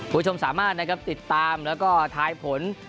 คุณผู้ชมสามารถนะครับติดตามแล้วก็ทายผล